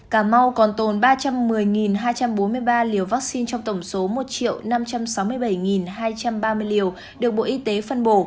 cà mau còn tồn ba trăm một mươi hai trăm bốn mươi ba liều vaccine trong tổng số một năm trăm sáu mươi bảy hai trăm ba mươi liều được bộ y tế phân bổ